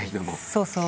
そうそう。